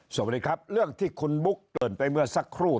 สวัสดีครับเรื่องที่คุณบุ๊คเกริ่นไปเมื่อสักครู่